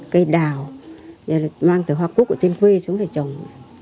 cây đào mang từ hoa cúc ở trên quê xuống để trồng